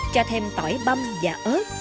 cho thêm tỏi băm và ớt